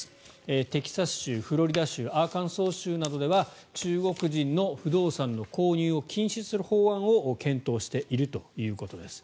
テキサス州、フロリダ州アーカンソー州などでは中国人の不動産の購入を禁止する法案を検討しているということです。